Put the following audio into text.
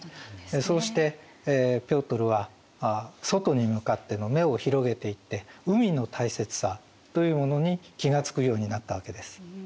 そうしてピョートルは外に向かっての目を広げていって海の大切さというものに気がつくようになったわけです。